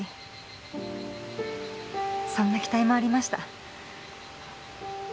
そんな期待もありました。